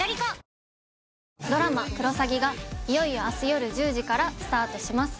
ドラマ「クロサギ」がいよいよ明日よる１０時からスタートします